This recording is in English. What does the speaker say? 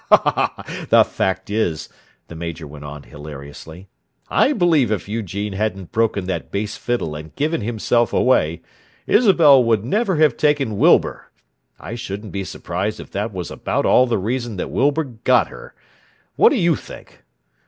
"The fact is," the Major went on hilariously, "I believe if Eugene hadn't broken that bass fiddle and given himself away, Isabel would never have taken Wilbur! I shouldn't be surprised if that was about all the reason that Wilbur got her! What do you think.